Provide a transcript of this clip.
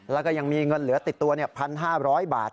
แล้วก็ยังมีเงินเหลือติดตัว๑๕๐๐บาท